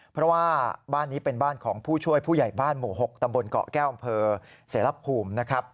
เพราะว่าบ้านนี้เป็นบ้านของผู้ช่วยผู้ใหญ่บ้านหมู่๖ตำบลเกาะแก้วอำเภอเสรภูมินะครับ